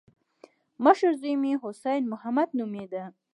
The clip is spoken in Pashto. مشر زوی مې حسين محمد نومېده.